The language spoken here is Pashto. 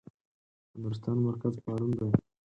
د نورستان مرکز پارون دی.